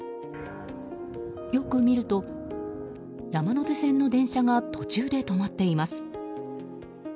よく見ると、山手線の電車が途中で止まっています。